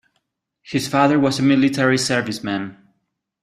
His father was a military serviceman.